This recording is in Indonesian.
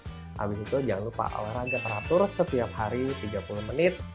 habis itu jangan lupa olahraga teratur setiap hari tiga puluh menit